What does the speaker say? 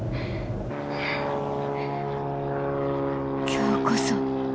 今日こそ。